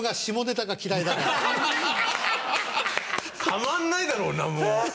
たまんないだろうなもう。